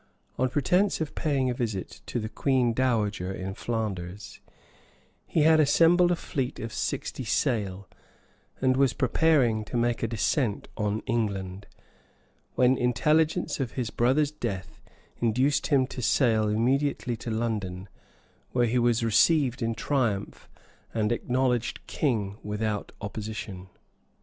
On pretence of paying a visit to the queen dowager in Flanders, ne had assembled a fleet of sixty sail, and was preparing to make a descent on England, when intelligence of his brother's death induced him to sail immediately to London, where he was received in triumph, and acknowledged king without opposition.